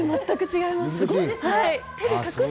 全く違います。